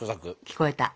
聞こえた。